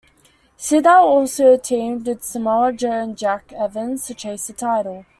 Sydal also teamed with Samoa Joe and Jack Evans to chase the title.